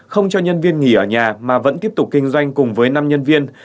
không cho nhân viên nghỉ ở nhà mà vẫn tiếp tục kinh doanh cùng với năm nhân viên